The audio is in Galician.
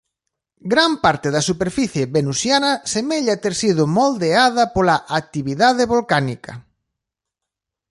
Gran parte da superficie venusiana semella ter sido moldeada pola actividade volcánica.